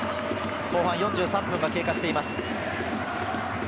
後半４３分が経過しています。